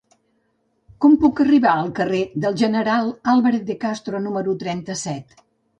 Com puc arribar al carrer del General Álvarez de Castro número trenta-set?